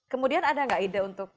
kemudian ada nggak ide untuk